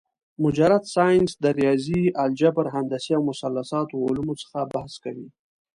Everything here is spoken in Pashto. مجرد ساينس د رياضي ، الجبر ، هندسې او مثلثاتو علومو څخه بحث کوي